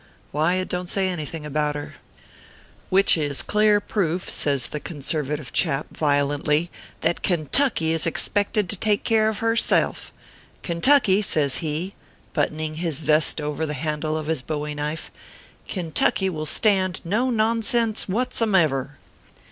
Why, it don t say anything about her. " Which is clear proof," says the conservative chap, violently, " that Kentucky is expected to take care of herself. Kentucky/ says he, buttoning his vest over the handle of his bowie knife. " Kentucky will stand no nonsense whatsomever. 16 362 OKPHEUS C. KEBR PAPERS.